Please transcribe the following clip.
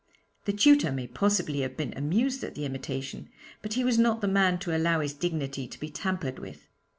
The tutor may possibly have been amused at the imitation, but he was not the man to allow his dignity to be tampered with.